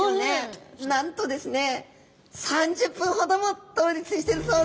なんとですね３０分ほども倒立してるそうです。